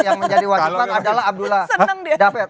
yang menjadi wasit far adalah abdullah dafer